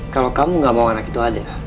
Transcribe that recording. kalau kamu gak mau anak itu ada